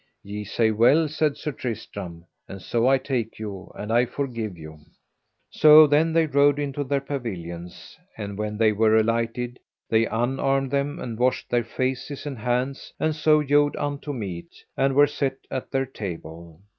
Ye say well, said Sir Tristram, and so I take you, and I forgive you. So then they rode into their pavilions; and when they were alighted they unarmed them and washed their faces and hands, and so yode unto meat, and were set at their table.